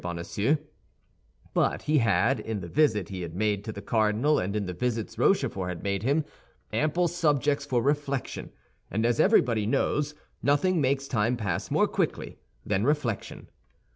Bonacieux; but he had, in the visit he had made to the cardinal and in the visits Rochefort had made him, ample subjects for reflection, and as everybody knows, nothing makes time pass more quickly than reflection.